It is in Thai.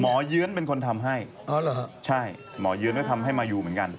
เยื้อนเป็นคนทำให้ใช่หมอเยื้อนก็ทำให้มายูเหมือนกัน